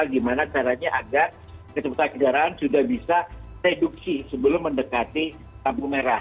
gimana caranya agar kecepatan kendaraan sudah bisa reduksi sebelum mendekati lampu merah